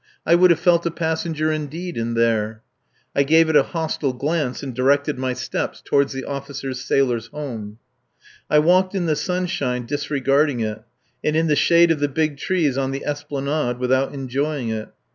I would have felt a passenger indeed in there! I gave it a hostile glance and directed my steps toward the Officers' Sailors' Home. I walked in the sunshine, disregarding it, and in the shade of the big trees on the esplanade without enjoying it.